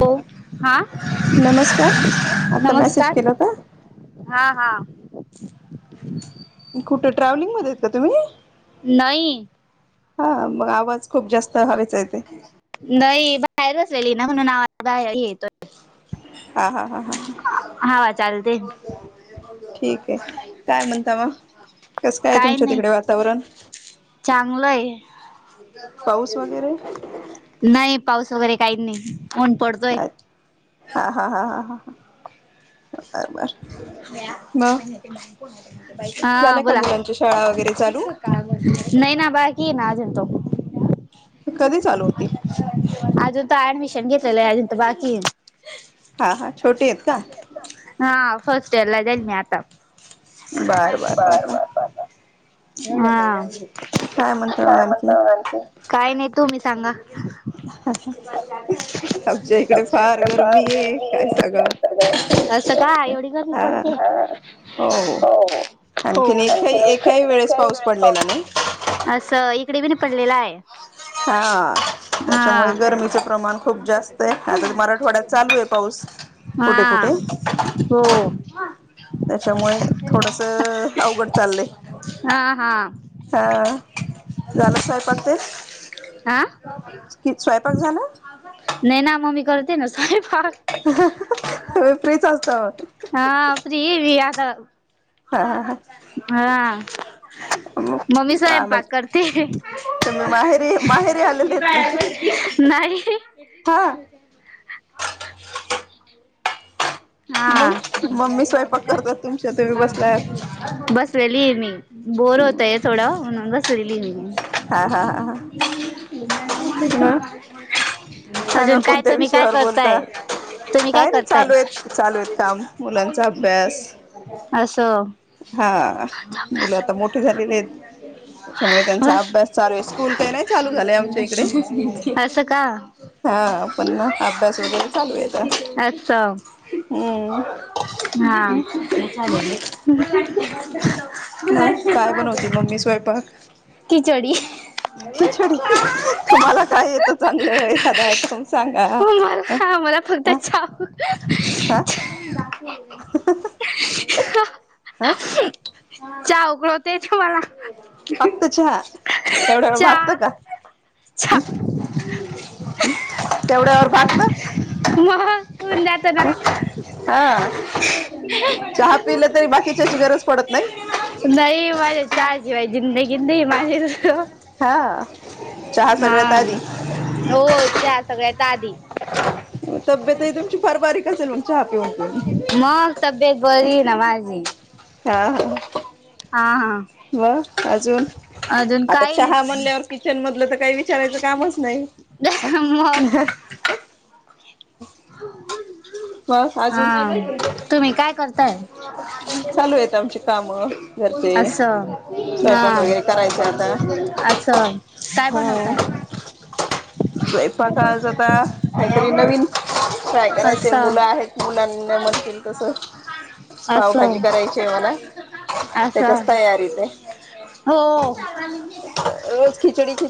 हो, हां नमस्कार हां-हां [inaudible] कुठे ट्रॅव्हलिंग मध्ये आहेत का तुम्ही? होय मग आवाज नाही, बाहेरच लिना म्हण नाव [unintelligible] हां-हां-हां ठीक आय काय म्हणता म? कस काय तुमच्या तिकडे वातावरण? नाही पाऊस वगैरे काही नही. ऊन पडतंय. बर बर. म? [unintelligible] हां बोला. नाही ना बाकी हे ना आजून. [unintelligible] ते कधी चालू होती? ता ऍडमिशन घेतलेलं हे, आजून तर बाकी ए. हां-हांहा छोटे एत का? आंव फस्टयरला जाईल मी आता. बर-बर-बर-बर. हां, काय मंता आणखी? तुम्ही सांगा. [unintelligible] आस् चला आई वडी [unintelligible] हो [unintelligible] असं इकडे वन पडलेला आहे. हां, त्याच्यामुळे गरमीचं प्रमाण खूप जास्त हे. आता मराठवाड्यात चालू आय पाऊस कुठे कुठे. त्याच्यामुळे थोडंसं अवघड चाललंय. हं, झालं स्वयंपाक तेन? आं नाही ना मम्मी कळ ते न साहेब [unintelligible] [unintelligible] [unintelligible] हा हा हा. हा. मम्मी स्वयंपाक करते नाही. हा बसलेली आहे मी बोर होत आहे थोडं. [unintelligible] अजून काय तुम्ही काय करताय तुम्ही काय करताय? [unintelligible] अससं. असं का असं हा. अले ह काय बनवती मम्मी स्वयंपाक खिचडी तुम्हाला काय येतं चांगलं एखादा आयटम सांगा ह ह. [unintelligible] आह. चा उकड तेच मला मग होन द तो ना. नाही माझ्या चार सिवाय ज गे गिे हिमालय. हा हो ज सगळ्या. तब्यता ह तुमची फारवारी क असेल. मग तबेत ब बरी नवाझी. हा हा. हा हा. वा! अजून आता चहा म्हणल्यावर किचन मधलं तर काही विचारायचं कामच नाही. हा तुम्ही काय करताय? [unintelligible] असं हा असं काय बनवतय. काय करायचे मुलं आहेत मुलांना म्हणतील तस पावभाजी करायचे मला त्याच्याच तयारीत आहे रोज खिचडी खि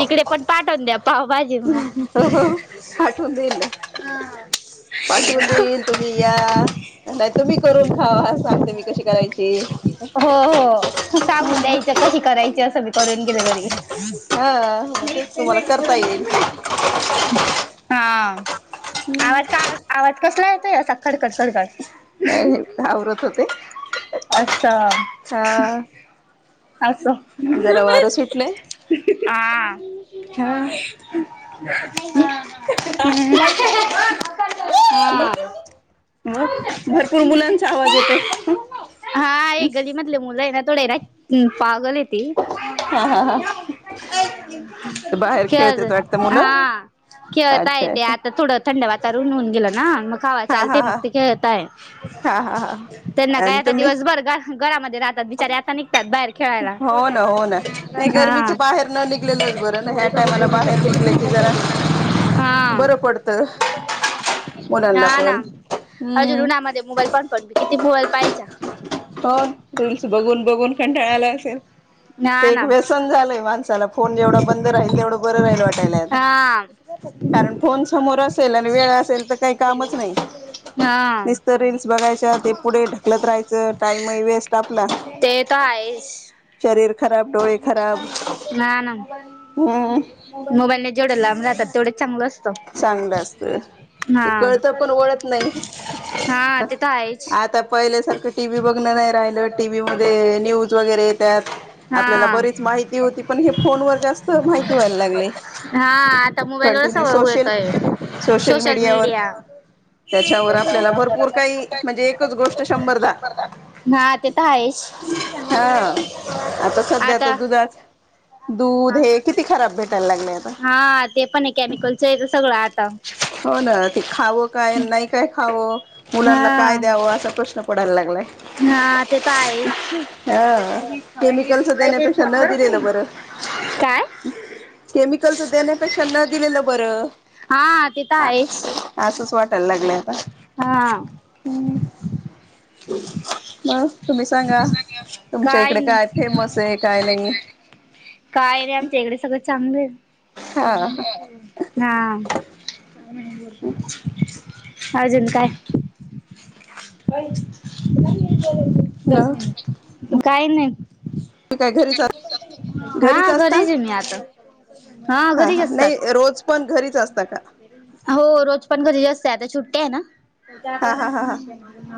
इकडे पण पाठवून द्या पाव हो पाठवून देई ना, पाठवून देईल तुम्ही या, नाही तुम्ही करून खावा सांगते मी कशी करायची द्यायं कशी करायच असं बी करून गेलं घरी हा आवाज का आवाज कसलाय तो [unintelligible] काही नाही आवरत होते हा असो हा हा हा हे गलीमधले मुलं आहे ना [unintelligible] हम्म पागल आहे. खेळते खेळ ग हा खेळताय ते आता थोडं थंड वात तरुण होऊन गेल ना मग खावा चालतेय मग ते खेळताय त्यांना काय आता दिवसभर घरामध्ये रा बचारे आता नि बाहेर खेळायला हा हा हा ना अजून उन्हामध्ये मोबाईल [unintelligible] किती मोबाईल पाहायचा हो रीलस बघून बघून कंटाळा आला असेल ते एक व्यसन झालंय माणसाला फोन जेवढा बंद राहील तेवढं बरोबर [unintelligible] कारण फोन समोर असेल आणि वेळ असेल तर काही कामच नाही नुसत रिल्स बघाय तेव्हा ते पुढे ढकलत रहायचं टाईमही वेस्ट आपला. शरीर ना ना मोबाईलने जेवढं लांब राहता तेवढं चांगल अस चांगलं असत ते कळत पण वळत नाही. आता पहिल्यासारखं टीव्ही बघण नाही राहिलं टीव्ही मध्ये न्यूज वगैरे येतात आपल्याला बरीच माहिती होती पण हे फोन व जास्त माहिती व्हायला लागलीय कंटिन्युस सोशल मीडिया हा ते तर आहेच आता सध्या तर दुधात हा हा ते पण केमिकल सगळं आता हो, ना ते खावं काय नाही? काय खावं मुलांना काय द्यावं? असा प्रश्न पडायला लागलाय. हा केमिकलस देण्यापेक्षा न दिलेलं बर केमिकलस देण्यापेक्षा न दिलेलं बरं! हा हा असंच वाटायला लागलं आता हा मग तुम्ही सांगा, तुमच्या इकडे काय फेमस आहे. काय नाही? [unintelligible] हा [inaudible] अजून काय? [unintelligible] दस मिनटं मग काही नाही. काय घरीच घरीच असता हा हा नाही, रोज पण घरीच असते. [unintelligible] हो रोज पण घरी जास्त आता सुट्टी आहे, ना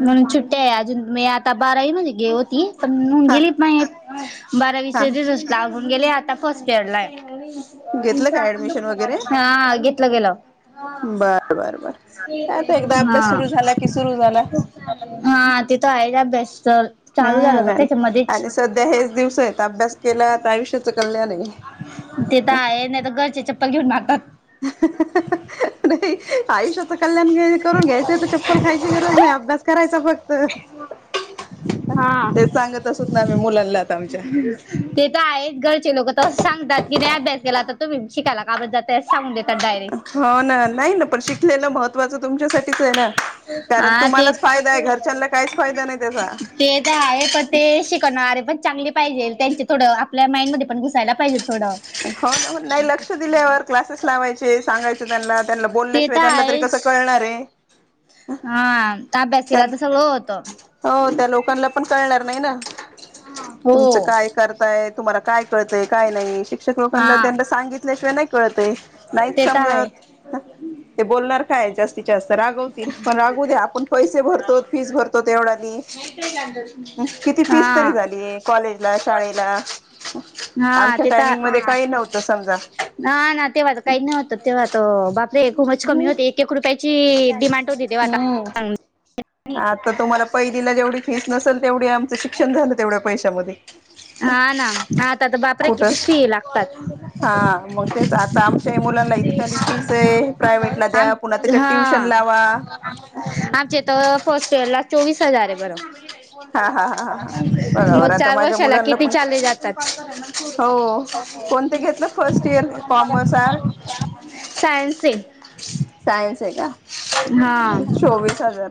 म्हणून छुट्टी आहे. अजून मी आता बारावीमध्येध्ये गे होती. [unintelligible] [inaudible] बारावीचे रिजल्ट्स लागून [unintelligible] गेले आता फर्स्ट इअर ला आहे. हा घेतलं गेलं. हा हा ते तर, आहेच अभ्यास. तर हम्म! आणि आणि सध्या हेच दिवस आहेत़, अभ्यास केलात. आयुष्याच कल्याण आहे. नाही, आयुष्याचं कल्याण करून घ्यायचंय तर चप्पल खायची गरज नाही अभ्यास करायचा फक्त, तेच सांगत असत ना आम्ही मुलांना आमच्या. तसंच सांगतात की नाही अभ्यास केला तर तुम्ही बी शिकायला का बरं जात नाही असं सांगून देतात् हो ना नाही ना पण शिकलेलं महत्त्वाचं तुमच्यासा च आहे ना? हा ते ते तर आहे पण ते शिकवणारे पण चांगले पाहिजे त्यांचे थोडं आपल्या माइंडमध्ये पण घुसायला पाहिजे. हो न नाही लक्ष दिल्यावर क्लासेस लावायचे सांगायचे त्यांना. त्यांना बोलल्याशिवाय त्यांना तरी कसं कळणार आहे. [inaudible] अ त्य हो त्या लोकांना पण कळणार नाही ना तुमचं काय करताय तुम्हाला काय कळतंय काय नाही शिक क्षक लोकांना त्यांना सांगितल्याशिवाय नाही कळते नाहीच समजत ते बोलणार. काय जास् जास्त रागावतील पण रागवू दे आपण पैसे भरतो फीस भरतो तेवढाली, किती फीस तर झालीय कॉलेजला, शाळेला आमच्या टाय ना ना तेव्हा काही नव्हतं तेव्हा त रे खूपचं कमी होते एक एक रुपयाची [inaudible] आता तुम्हाला पहिलीला जेवढी फीस नसेल तेवढी आमचं शिक्षण झालं तेवढ्या पैशामध्ये. कुठं? हा मग तेच आता आमच्या ही मुलांना इतकाली फीस आहे प्रायव्हेटला द्या पुन्हा त्याच्या ट्युशन लावा. फर्स्ट इयर ला चोवीस हजार आहे बरं मग चार वर्षाला किती चालले जातात. सायन्सचे? सायन्स आहे का? मग चोवीस हजार.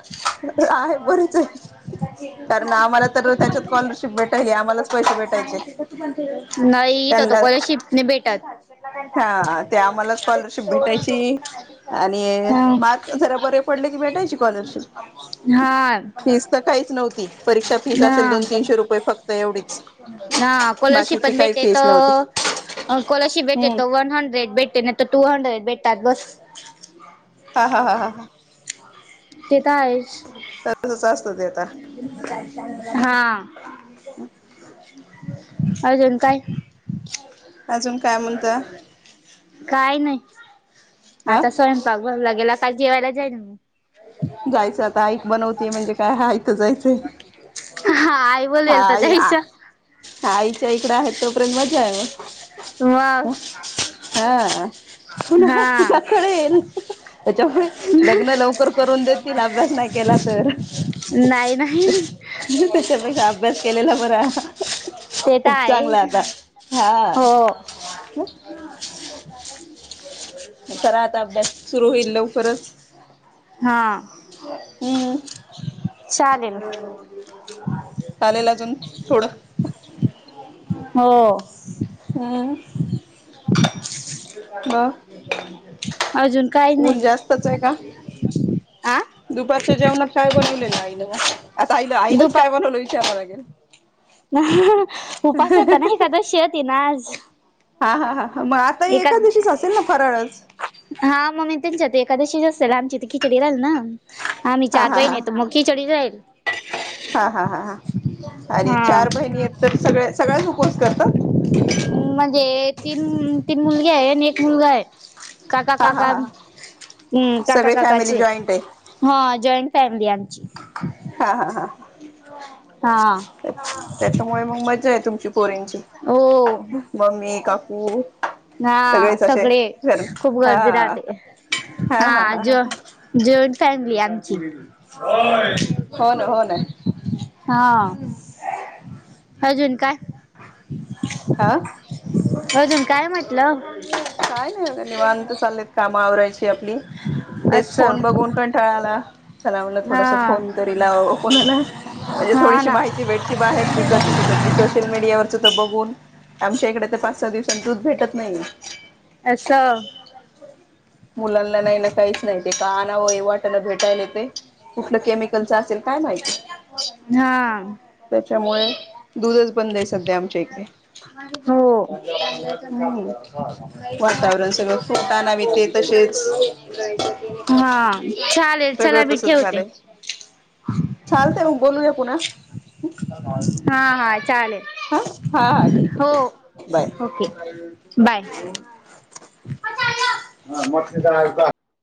नाही इथं तर कॉलरशिप नाय भेटत. हा ते आम्हालाच स्कॉलरशिप भेटायची आणि मार्क जरा बरे पडले की भेटायची स्कॉलरशिप. हा ह हा कॉलशिप पण देतेतं म कॉलशिप् दे वन हंड्रेड भेटे ना तर टू हंड्रेड भेटतात बस. [inaudible] ते तर आहेच हा. अजुन काय? अजून काय नाही. [unintelligible] आता स्वयंपाक भरला गेला. कागि वला जायन मी. जायचं आता ऐक बनवतेय म्हणजे काय हा थ जायच. हा आई बोलेल तर जायस. तोपयंत मजा आ हा पुन्हा पुनकडे येल त्याच्यामुळे लग्न लवकर मदतीला अभ्यास नाही केला तर त्याच्या पेक्षा अभ्यास केलेला बरा खूप चांगला आता. हो. खरा आता अभ्यास सुरू होईल लवकरच. हा. ह. चालल. हो. [unintelligible] हम. हा. म ऊन जास्तच आहे का दुपारच्या जेवणात काय बनवले ना आई मग आ आई आईनच काय बनवल. कव लागेल. उपास होता ना एखकादशी होती ना आज. हा हा हा ह मग आता एका दिवशीच असेल ना फरळच. सलामचीितखकी चढली आल ना. हा मी चार बहिण येतो मगी चळी जाईल. हा हा हा हा अर चार बहिणी आहेत तर सगळ्या सगळ्याच उपवास करतात. तीन मुलगी आहे आणि एक मुलगा आहे. काका काकाम् काका काकाचे हा जॉईंट फॅमिली आम हा हा हा. हा. त्याच्यामुळे मग मजाये तुमची. पोरींची मम्मी, काकू हा सगळे खूप गर्दी राहते हा ज जेव फॅमली आमची. हो ना, हो ना. हा अजून काय? अजून काय म्ह टल. काय नाही बघा निवांत चाललेत काम आवरायचे आपली तेच फोन बघून कंटाळा आला, चला म्हटलं थोडासा फोन तरी लावाव कोणाला, म्हणजे थोडीशी माहिती भेटती बाहेरची इकडची तिकडची सोशल मीडियावर सुद्धा बघून आमच्या इकडे ते पाच सहा दिवसां दूध भेटत नाही. मुलांना नाही ना काहीच नाही, ते का अनाव हे वाटण भेटायल येते कुठलं केमिकलच असेल काय माहिती त्याच्यामुळे दुधच बंदय सध्या आम हो. हा. चला मी ठेवते. चालतंय म बोलूया पुन्हा. चालेल. अ हा हा ठीके ठीके बाय. बाय.